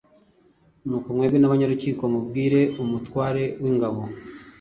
Nuko mwebwe n’abanyarukiko mubwire umutware w’ingabo,